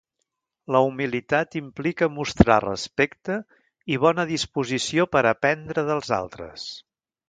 La humilitat implica mostrar respecte i bona disposició per aprendre dels altres.